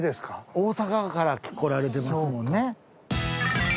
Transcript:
大阪から来られてますもんね。